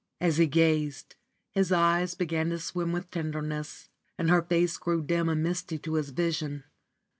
As he gazed, his eyes began to swim with tenderness, and her face grew dim and misty to his vision.